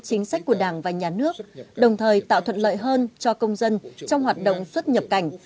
chính sách của đảng và nhà nước đồng thời tạo thuận lợi hơn cho công dân trong hoạt động xuất nhập cảnh